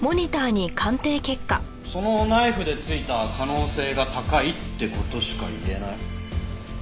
そのナイフでついた可能性が高いって事しか言えない。